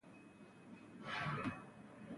ځینې ښځې ډېرې هوښیارې او تجربه لرونکې وې.